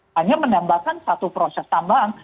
hanya menambahkan satu proses tambahan